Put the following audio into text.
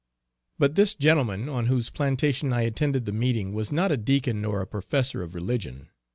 But this gentleman on whose plantation I attended the meeting was not a Deacon nor a professor of religion.